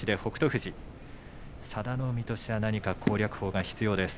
富士佐田の海としては何か攻略法が必要です。